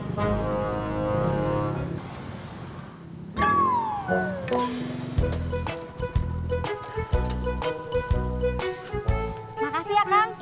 makasih ya kang